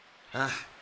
ああ。